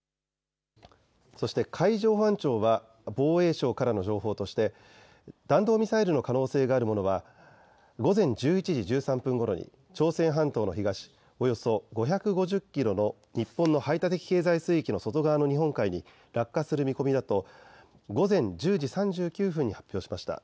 そして海上保安庁は防衛省からの情報として弾道ミサイルの可能性があるものは午前１１時１３分ごろに朝鮮半島の東およそ５５０キロの日本の排他的経済水域の外側の日本海に落下する見込みだと午前１０時３９分に発表しました。